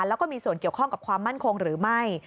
แล้วก็มีส่วนเกี่ยวข้องกับความมั่นคงหรือไม่